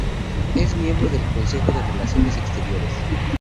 Es miembro del Consejo de Relaciones Exteriores.